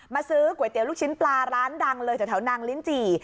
ซื้อก๋วยเตี๋ยวลูกชิ้นปลาร้านดังเลยแถวนางลิ้นจี่